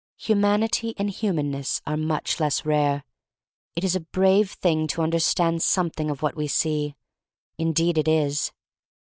Humanity and humaneness are much less rare. "It is a brave thing to understand something of what we see.'' Indeed it is.